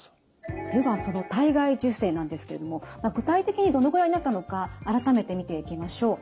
ではその体外受精なんですけれども具体的にどのぐらいになったのか改めて見ていきましょう。